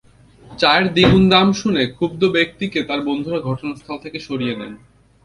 চায়ের দ্বিগুণ দাম শুনে ক্ষুব্ধ ব্যক্তিকে তাঁর বন্ধুরা ঘটনাস্থল থেকে সরিয়ে নেন।